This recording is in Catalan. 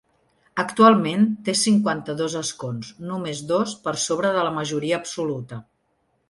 Actualment, té cinquanta-dos escons, només dos per sobre de la majoria absoluta.